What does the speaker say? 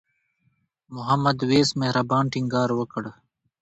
محمد وېس مهربان ټینګار وکړ.